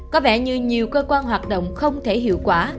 có vẻ như nhiều cơ quan hoạt động không thể hiệu quả